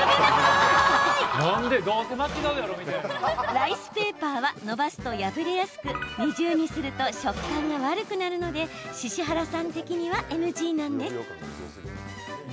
ライスペーパーはのばすと破れやすく２重にすると食感が悪くなるので獅子原さん的にはＮＧなんです。